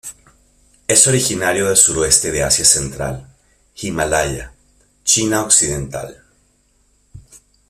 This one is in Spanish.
Es originario del suroeste de Asia Central, Himalaya, China occidental.